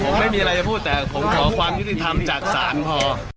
ผมไม่มีอะไรจะพูดแต่ผมขอความยุติธรรมจากศาลพอ